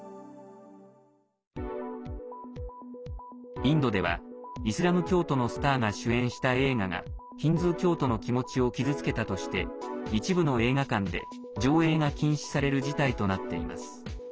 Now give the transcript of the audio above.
インドでは、イスラム教徒のスターが主演した映画がヒンズー教徒の気持ちを傷つけたとして一部の映画館で上映が禁止される事態となっています。